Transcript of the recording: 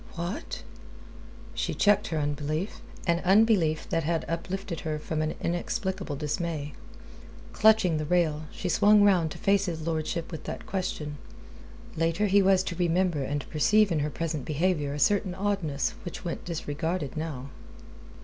"What?" She checked her unbelief, an unbelief that had uplifted her from an inexplicable dismay. Clutching the rail, she swung round to face his lordship with that question. Later he was to remember and perceive in her present behaviour a certain oddness which went disregarded now.